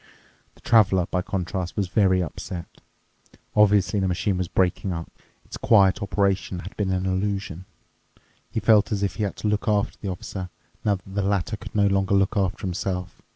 The Traveler, by contrast, was very upset. Obviously the machine was breaking up. Its quiet operation had been an illusion. He felt as if he had to look after the Officer, now that the latter could no longer look after himself.